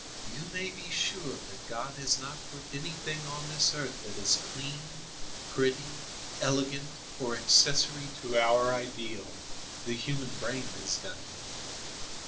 You may be sure that God has not put anything on this earth that is clean, pretty, elegant or accessory to our ideal; the human brain has done it.